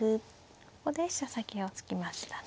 ここで飛車先を突きましたね。